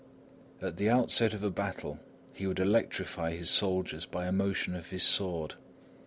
At the outset of a battle, he would electrify his soldiers by a motion of his sword.